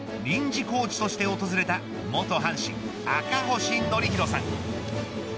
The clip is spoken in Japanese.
臨時コーチとして訪れた元阪神、赤星憲広さん。